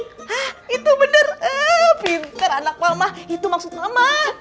hah itu bener bintar anak mama itu maksud mama